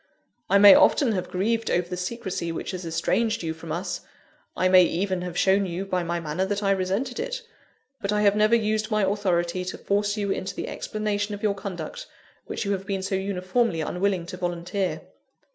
I may often have grieved over the secresy which has estranged you from us; I may even have shown you by my manner that I resented it; but I have never used my authority to force you into the explanation of your conduct, which you have been so uniformly unwilling to volunteer.